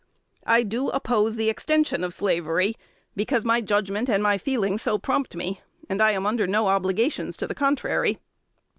I do oppose the extension of slavery because my judgment and feeling so prompt me; and I am under no obligations to the contrary.